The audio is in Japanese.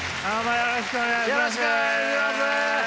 よろしくお願いします。